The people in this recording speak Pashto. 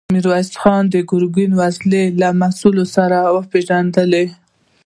ميرويس خان د ګرګين د وسلو له مسوول سره وپېژندل.